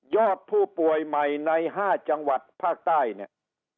อดผู้ป่วยใหม่ใน๕จังหวัดภาคใต้เนี่ย